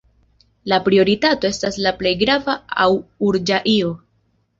La prioritato estas la plej grava aŭ urĝa io.